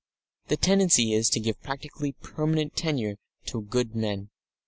The tendency is to give a practically permanent tenure to good men.